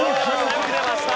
よく出ました。